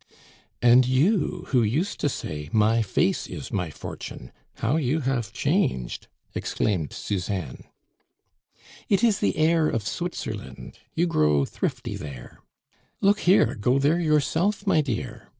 "And you, who used to say, 'My face is my fortune!' How you have changed!" exclaimed Suzanne. "It is the air of Switzerland; you grow thrifty there. Look here; go there yourself, my dear!